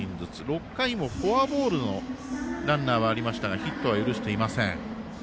６回もフォアボールのランナーはありましたがヒットは許していません。